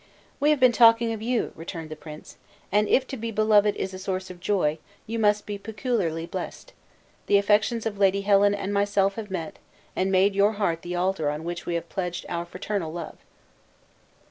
"We have been talking of you," returned the prince, "and if to be beloved is a source of joy, you must be peculiarly blessed. The affections of Lady Helen and myself have met, and made your heart the altar on which we have pledged our fraternal love."